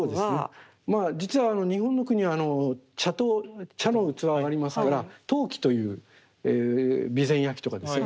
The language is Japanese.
まあ実は日本の国茶陶茶の器はありますから陶器という備前焼とかですね